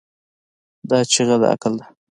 دا چیغه د عقل ده.